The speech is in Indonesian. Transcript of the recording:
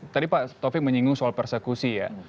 tadi pak taufik menyinggung soal persekusi ya